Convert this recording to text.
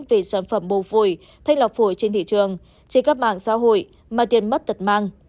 về sản phẩm bồ phổi thanh lọc phổi trên thị trường trên các mạng xã hội mà tiền mất tật mang